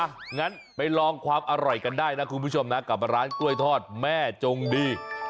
งั้นไปลองความอร่อยกันได้นะคุณผู้ชมนะกับร้านกล้วยทอดแม่จงดี